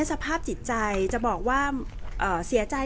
แต่ว่าสามีด้วยคือเราอยู่บ้านเดิมแต่ว่าสามีด้วยคือเราอยู่บ้านเดิม